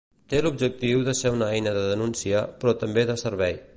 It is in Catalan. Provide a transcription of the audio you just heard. Té l'objectiu de ser una eina de denúncia, però també de servei.